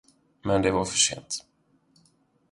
Men det var för sent.